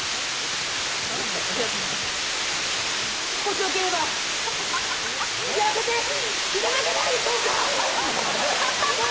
もしよければ、やらせていただけないでしょうか！